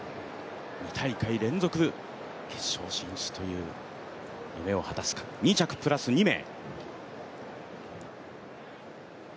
２大会連続決勝進出という夢を果たすか、２着プラス２名。